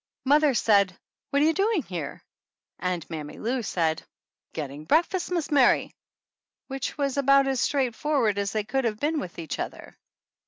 Mother said, "What are you doing here?" and Mammy Lou said, "Getting breakfast, Mis' Mary," which was about as straightfor ward as they could have been with each other.